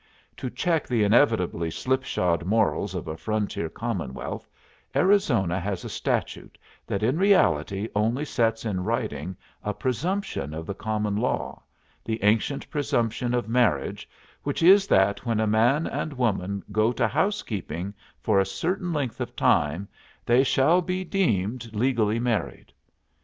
To check the inevitably slipshod morals of a frontier commonwealth, Arizona has a statute that in reality only sets in writing a presumption of the common law, the ancient presumption of marriage, which is that when a man and woman go to house keeping for a certain length of time, they shall be deemed legally married.